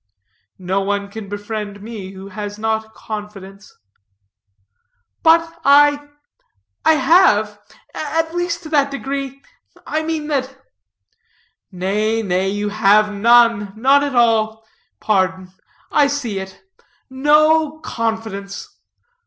"No one can befriend me, who has not confidence." "But I I have at least to that degree I mean that " "Nay, nay, you have none none at all. Pardon, I see it. No confidence.